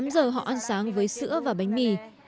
tám giờ họ ăn sáng với sữa và bánh mì